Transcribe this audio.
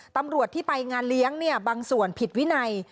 ตำรวจที่ไปงานเลี้ยงบางส่วนผิดวินัย